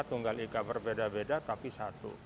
tunggal ika berbeda beda tapi satu